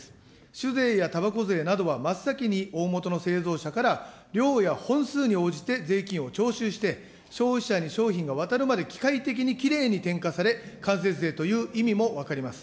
酒税やたばこ税などは真っ先におおもとの製造者から量や本数に応じて税金を徴収して、消費者に商品が渡るまで、機械的にきれいに転嫁され、間接税という意味も分かります。